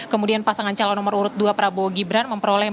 kemudian pasangan calon nomor urut dua prabowo gibran memperoleh